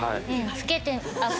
老けてあっ。